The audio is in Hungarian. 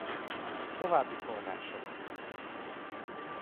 További források